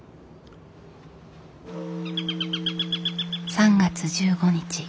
３月１５日。